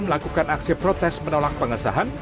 melakukan aksi protes menolak pengesahan